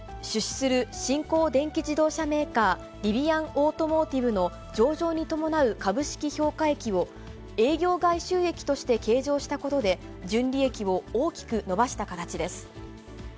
出資する新興電気自動車メーカー、リビアン・オートモーティブの上場に伴う株式評価益を、営業外収益として計上したことで、純利益を大きく伸ばした形です。